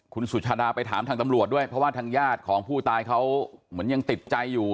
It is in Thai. คุณสุชาดาไปถามทางตำรวจด้วยเพราะว่าทางญาติของผู้ตายเขาเหมือนยังติดใจอยู่